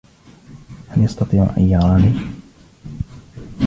هل يستطيع أن يراني؟